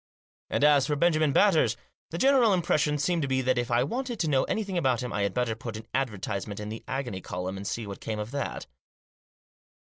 And as for Benjamin Batters, the general impression seemed to be that if I wanted to know anything about him I had better put an advertisement in the agony column, and see what came of that.